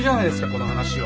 この話は。